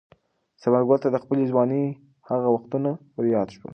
ثمرګل ته د خپلې ځوانۍ هغه وختونه وریاد شول.